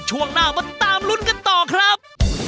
ช่วงหน้ามาตามลุ้นกันต่อครับ